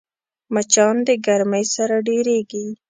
مچان د ګرمۍ سره ډېریږي